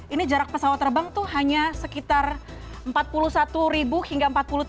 ini jarak pesawat terbang itu hanya sekitar empat puluh satu hingga empat puluh tiga